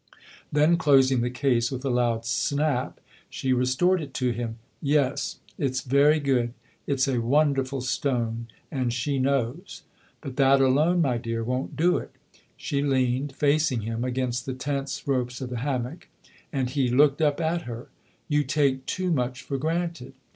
Then, closing the case with a loud snap, she restored it to him. " Yes, it's very good ; it's a wonderful stone, and she knows. But that alone, my dear, won't do it." She leaned, facing him, against the tense ropes of the hammock, and he looked up at her. "You take too much for granted."